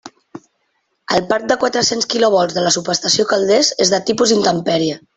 El parc de quatre-cents kilovolts de la subestació Calders és de tipus intempèrie.